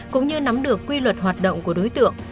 cũng như nắm được quy luật hoạt động của đối tượng